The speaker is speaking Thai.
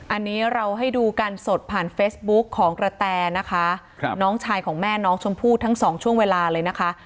อันนี้เราให้ดูกันสดผ่านเฟซบุ๊กของกระแตนะคะน้องชายของแม่น้องชมพู่ทั้งสองช่วงเวลาเลยนะคะ